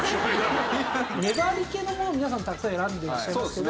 粘り気のものを皆さんたくさん選んでいらっしゃいますけど。